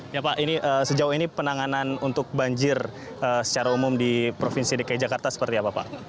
ya pak ini sejauh ini penanganan untuk banjir secara umum di provinsi dki jakarta seperti apa pak